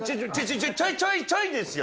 ちょいちょいちょいですよ。